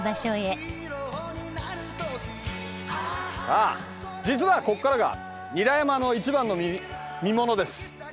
さあ実はここからが韮山の一番の見ものです。